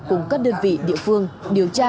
cùng các đơn vị địa phương điều tra